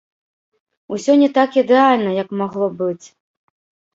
Усё не так ідэальна, як магло б быць.